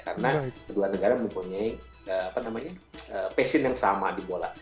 karena kedua negara mempunyai passion yang sama di bola